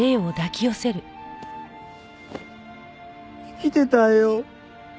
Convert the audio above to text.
生きてたいよ。